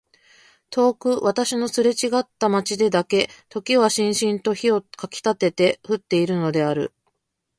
遠く私のすれちがった街でだけ時はしんしんと火をかきたてて降っているのである。